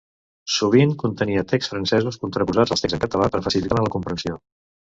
Sovint contenia texts francesos contraposats als texts en català per a facilitar-ne la comprensió.